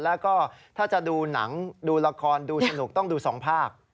แล้วก็ถ้าจะดูหนังดูละครดูสนุกต้องดูสองภาค